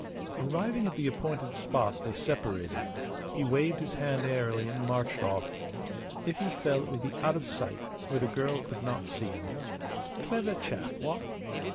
Arriving at the appointed spot they separated. He waved his hand airily and marched off. If he fell it would be out of sight, where the girl could not see him. Clever chap what?